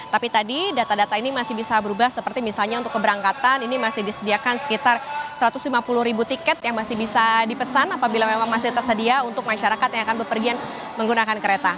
tapi tadi data data ini masih bisa berubah seperti misalnya untuk keberangkatan ini masih disediakan sekitar satu ratus lima puluh ribu tiket yang masih bisa dipesan apabila memang masih tersedia untuk masyarakat yang akan berpergian menggunakan kereta